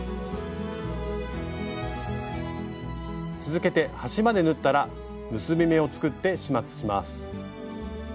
続けて端まで縫ったら結び目を作って始末します。